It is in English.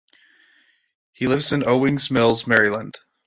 He lives in Owings Mills, Maryland.